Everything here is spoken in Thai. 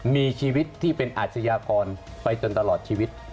มีชีวิตที่เป็นอาชญากรไปจนตลอดชีวิต